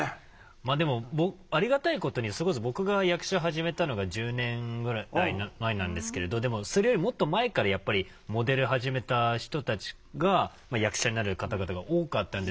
まあでもありがたいことにそれこそ僕が役者始めたのが１０年ぐらい前なんですけれどでもそれよりもっと前からやっぱりモデル始めた人たちが役者になる方々が多かったんで。